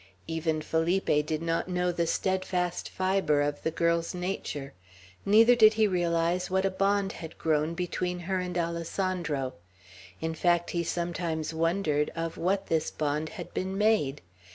Even Felipe did not know the steadfast fibre of the girl's nature; neither did he realize what a bond had grown between her and Alessandro. In fact, he sometimes wondered of what this bond had been made.